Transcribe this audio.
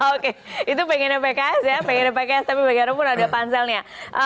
oke itu pengennya pks ya pengennya pks tapi bagaimanapun ada panselnya